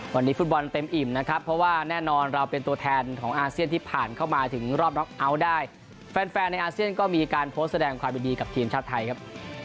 วันนี้ฟุตบอลเต็มอิ่มนะครับเพราะว่าแน่นอนเราเป็นตัวแทนของอาเซียนที่ผ่านเข้ามาถึงรอบน็อกเอาท์ได้แฟนแฟนในอาเซียนก็มีการโพสต์แสดงความยินดีกับทีมชาติไทยครับ